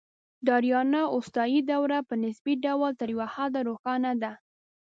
د آریانا اوستایي دوره په نسبي ډول تر یو حده روښانه ده